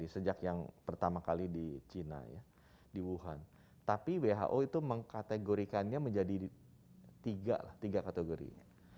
sekali di china ya di wuhan tapi who itu mengkategorikannya menjadi tiga tiga kategorinya